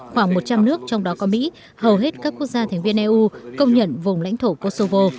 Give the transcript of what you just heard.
khoảng một trăm linh nước trong đó có mỹ hầu hết các quốc gia thành viên eu công nhận vùng lãnh thổ kosovo